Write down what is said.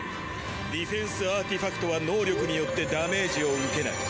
ディフェンスアーティファクトは能力によってダメージを受けない。